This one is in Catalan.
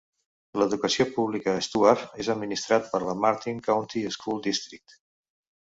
L'educació pública a Stuart és administrat per la Martin County School District.